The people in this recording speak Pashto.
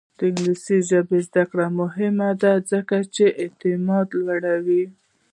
د انګلیسي ژبې زده کړه مهمه ده ځکه چې اعتماد لوړوي.